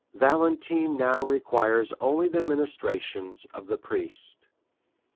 Valentine now requires only the ministrations of the priest."